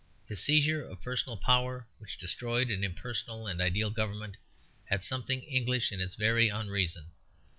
His seizure of personal power, which destroyed an impersonal and ideal government, had something English in its very unreason.